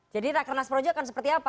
jadi rakan nas projo kan seperti apa